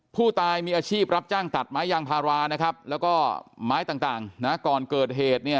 ผู้ตายมีอาชีพรับจ้างตัดไม้ยางพารานะครับแล้วก็ไม้ต่างนะก่อนเกิดเหตุเนี่ย